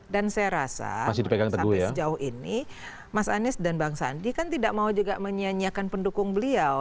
dan saya rasa sampai sejauh ini mas anies dan bang sandi kan tidak mau juga menyanyiakan pendukung beliau